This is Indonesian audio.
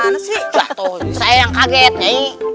nyai yang kaget nyai